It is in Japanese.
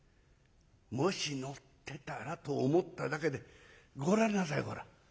もし乗ってたらと思っただけでご覧なさいほら。